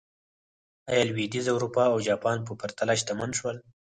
ایا لوېدیځه اروپا او جاپان په پرتله شتمن شول.